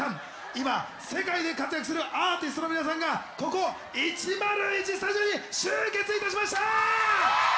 今世界で活躍するアーティストの皆さんがここ１０１スタジオに集結いたしました！